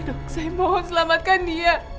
dok saya mohon selamatkan dia